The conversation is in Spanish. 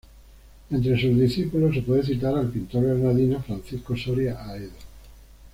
Entre sus discípulos, se puede citar al pintor granadino Francisco Soria Aedo.